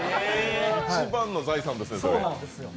一番の財産ですね。